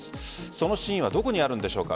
その真意はどこにあるんでしょうか。